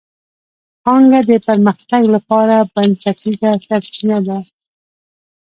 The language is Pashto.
پانګه د پرمختګ لپاره بنسټیزه سرچینه ده.